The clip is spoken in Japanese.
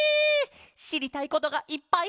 しりたいことがいっぱい！